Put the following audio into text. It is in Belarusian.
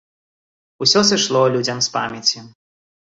Усё сышло людзям з памяці.